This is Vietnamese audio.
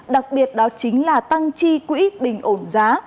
đặc biệt đó chính là tăng chi quỹ bình ổn giá